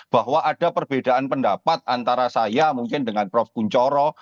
bahwa ada perbedaan pendapat antara saya mungkin dengan prof kunchoro